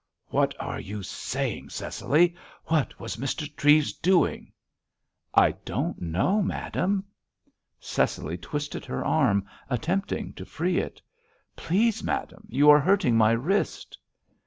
"What are you saying, Cecily? What was Mr. Treves doing?" "I don't know, madame." Cecily twisted her arm, attempting to free it. "Please, madame, you are hurting my wrist!"